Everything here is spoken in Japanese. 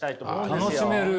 楽しめる？